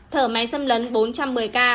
thở máy xâm lấn bốn trăm một mươi ca